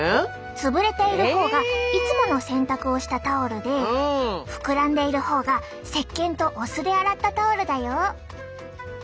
潰れている方がいつもの洗濯をしたタオルで膨らんでいる方がせっけんとお酢で洗ったタオルだよ。